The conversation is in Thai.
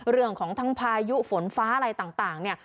เรื่องของทั้งพายุฝนฟ้าอะไรต่างเนี่ย